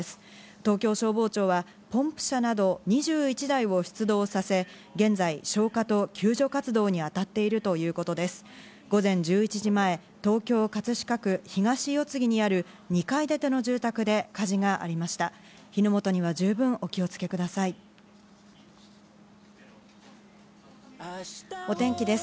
東京消防庁はポンプ車など２１台を出動させ、現在消火と救助活動に当たっているということです。